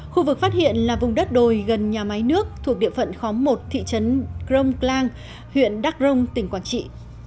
khu vực phát hiện là vùng đất đồi gần nhà máy nước thuộc địa phận khóm một thị trấn gromklang huyện đắk rông tỉnh quảng trị